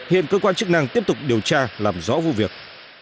hiện cơ quan chức năng tiếp tục điều tra làm rõ vụ việc